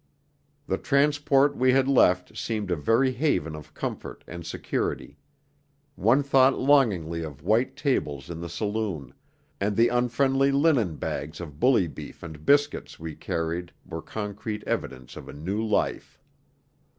The transport we had left seemed a very haven of comfort and security; one thought longingly of white tables in the saloon, and the unfriendly linen bags of bully beef and biscuits we carried were concrete evidence of a new life.